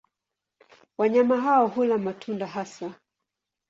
Wanyama hao hula matunda hasa.